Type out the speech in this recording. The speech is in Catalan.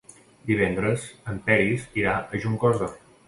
Divendres en Peris irà a Juncosa.